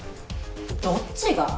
どっちが？